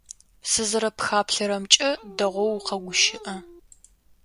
Сызэрэпхаплъэрэмкӏэ, дэгъоу укъэгущыӏэ.